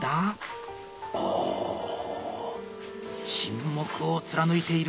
お沈黙を貫いている。